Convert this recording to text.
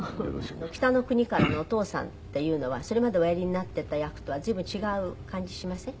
『北の国から』のお父さんっていうのはそれまでおやりになってた役とは随分違う感じしません？